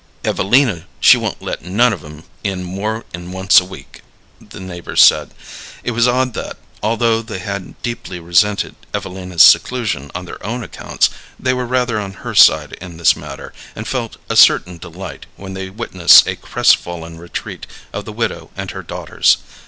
"Evelina she won't let none of 'em in more 'n once a week," the neighbors said. It was odd that, although they had deeply resented Evelina's seclusion on their own accounts, they were rather on her side in this matter, and felt a certain delight when they witnessed a crestfallen retreat of the widow and her daughters.